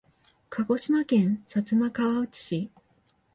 鹿児島県薩摩川内市